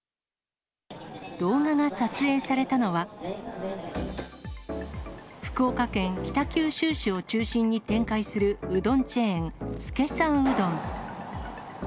動画が撮影されたのは、福岡県北九州市を中心に展開するうどんチェーン、資さんうどん。